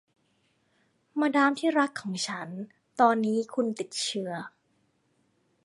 มาดามที่รักของฉัน ตอนนี้คุณติดเชื้อ